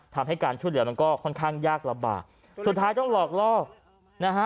ทำให้การช่วยเหลือมันก็ค่อนข้างยากลำบากสุดท้ายต้องหลอกลอกนะฮะ